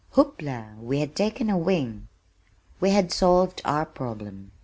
Hoopla! We had taken wing! We had solved our problem.